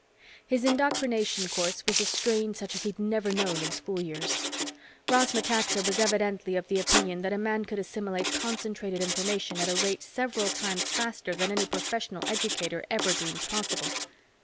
His indoctrination course was a strain such as he'd never known in school years. Ross Metaxa was evidently of the opinion that a man could assimilate concentrated information at a rate several times faster than any professional educator ever dreamed possible.